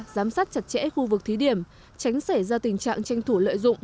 giám sát chặt chẽ khu vực thí điểm tránh xảy ra tình trạng tranh thủ lợi dụng